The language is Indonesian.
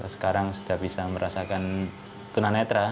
sekarang sudah bisa merasakan tunah netra